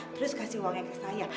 terus kasih uangnya ke saya